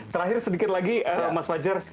terakhir sedikit lagi mas fajar